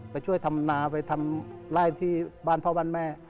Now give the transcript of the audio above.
ไปช่วยทำนาไปทำไล่ที่บ้านพ่อบ้านแม่